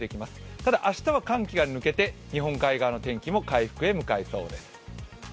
ただ明日は寒気が抜けて日本海側の天気も回復に向かいそうです。